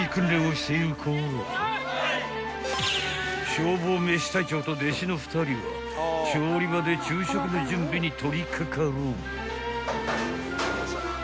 ［消防めし隊長と弟子の２人は調理場で昼食の準備に取り掛かる］